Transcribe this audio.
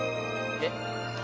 えっ？